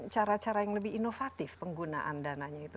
cara cara yang lebih inovatif penggunaan dananya itu